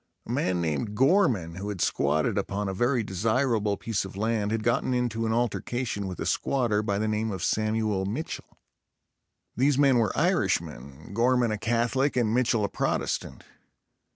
A man named Gorman who had squatted upon a very desirable piece of land had gotten into an altercation with a squatter by the name of Samuel Mitchell. These men were Irishmen, Gorman a Catholic and Mitchell a Protestant.